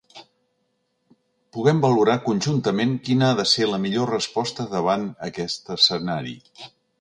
Puguem valorar conjuntament quina ha de ser la millor resposta davant aquest escenari.